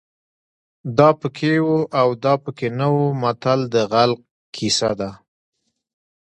دا پکې وو او دا پکې نه وو متل د غل کیسه ده